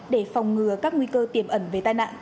để phòng ngừa các nguy cơ tiềm ẩn về tai nạn